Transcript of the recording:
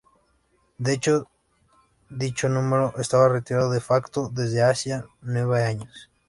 De hecho, dicho número estaba retirado "de facto" desde hacía nueve años.